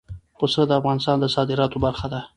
پسه د افغانستان د صادراتو برخه ده.